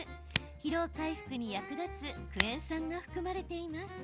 疲労回復に役立つクエン酸が含まれています。